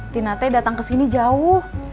tina t datang kesini jauh